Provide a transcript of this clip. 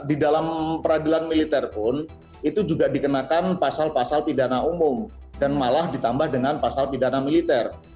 di dalam peradilan militer pun itu juga dikenakan pasal pasal pidana umum dan malah ditambah dengan pasal pidana militer